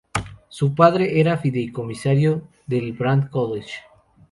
Su padre era fideicomisario del Barnard College.